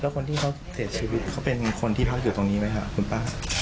คนที่เขาเสียชีวิตเขาเป็นคนที่พักอยู่ตรงนี้ไหมครับคุณป้า